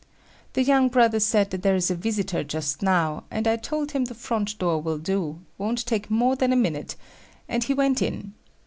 The younger brother said that there is a visitor just now, and I told him the front door will do; won't take more than a minute, and he went in.